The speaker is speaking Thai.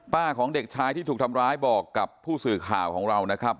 ของเด็กชายที่ถูกทำร้ายบอกกับผู้สื่อข่าวของเรานะครับ